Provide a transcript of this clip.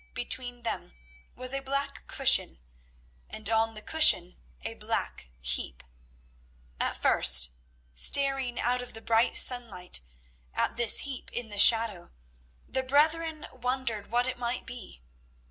Between them was a black cushion, and on the cushion a black heap. At first, staring out of the bright sunlight at this heap in the shadow, the brethren wondered what it might be.